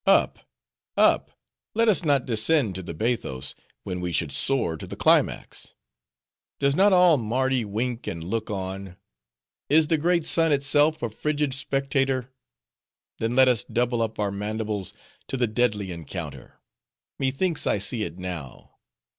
Up! up! Let us not descend to the bathos, when we should soar to the climax! Does not all Mardi wink and look on? Is the great sun itself a frigid spectator? Then let us double up our mandibles to the deadly encounter. Methinks I see it now.